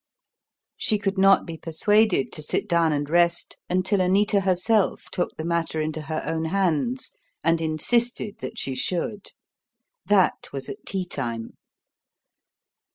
She could not be persuaded to sit down and rest until Anita herself took the matter into her own hands and insisted that she should. That was at tea time.